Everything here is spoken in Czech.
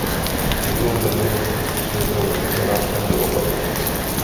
Jednou za ním přijedou na návštěvu do Opavy.